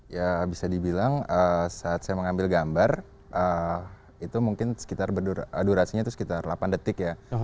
ya bisa dibilang saat saya mengambil gambar itu mungkin sekitar durasinya itu sekitar delapan detik ya